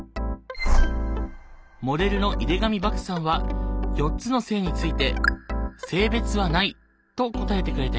モデルの井手上漠さんは４つの性について性別は無いと答えてくれたよ。